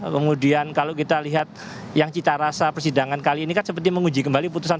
kemudian kalau kita lihat yang cita rasa persidangan kali ini kan seperti menguji kembali putusan